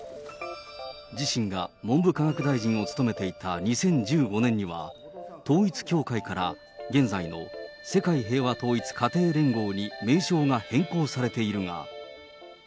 自身が文部科学大臣を務めていた２０１５年には、統一教会から現在の世界平和統一家庭連合に名称が変更されているが。